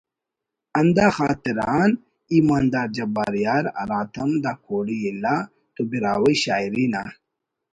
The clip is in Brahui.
ہندا خاطر آن ایماندار جبار یار ہراتم دا کوڑی ءِ الا تو براہوئی شاعری نا